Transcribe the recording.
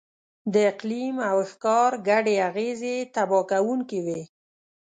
د اقلیم او ښکار ګډې اغېزې تباه کوونکې وې.